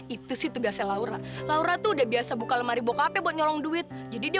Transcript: itu sih tugasnya laura laura tuh udah biasa buka lemari bok hp buat nyolong duit jadi dia